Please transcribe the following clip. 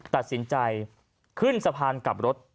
ตัดสินใจขึ้นสะพานกลับรถ